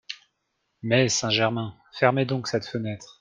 Mais, Saint-Germain, fermez donc cette fenêtre…